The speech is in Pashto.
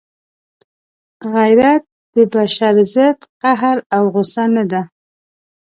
غیرت د بشر ضد قهر او غصه نه ده.